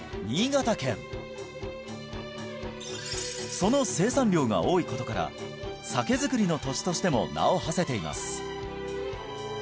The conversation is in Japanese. その生産量が多いことから酒造りの土地としても名をはせています